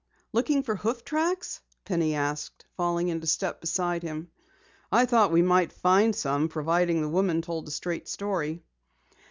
"Looking for hoof tracks?" Penny asked, falling into step beside him. "I thought we might find some, providing the woman told a straight story."